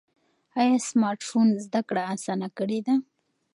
ایا سمارټ فون زده کړه اسانه کړې ده؟